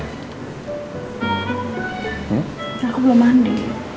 aku belum mandi